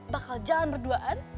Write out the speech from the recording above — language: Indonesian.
bakal jalan berduaan